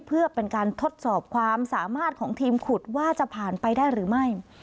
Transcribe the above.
เพื่อเป็นการทดสอบความสามารถของทีมขุดว่าจะผ่านไปได้หรือไม่